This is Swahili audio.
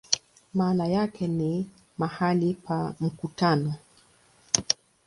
Maana yake ni "mahali pa mkutano".